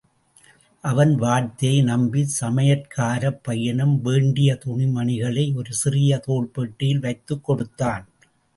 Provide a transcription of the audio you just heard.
அவன் வார்த்தையை நம்பிச் சமையற்காரப் பையனும் வேண்டிய துணிமணிகளை ஒரு சிறிய தோல் பெட்டியில் வைத்துக் கொடுத்தான்.